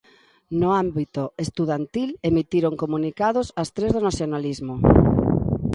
No ámbito estudantil emitiron comunicados as tres do nacionalismo.